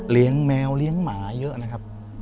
เลี้ยงแมวเลี้ยงหมาเยอะนะครับ